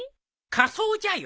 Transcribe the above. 仮装じゃよ